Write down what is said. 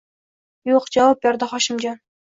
Yo`q, javob berdi Hoshimjon